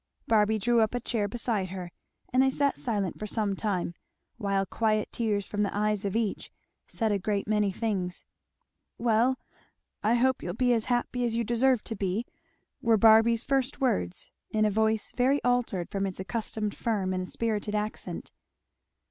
Barby drew up a chair beside her, and they sat silent for some time, while quiet tears from the eyes of each said a great many things. "Well, I hope you'll be as happy as you deserve to be," were Barby's first words, in a voice very altered from its accustomed firm and spirited accent.